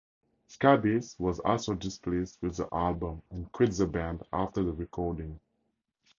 Scabies was also displeased with the album, and quit the band after the recording.